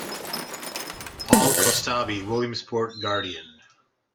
Paul Kostabi "Williamsport Guardian"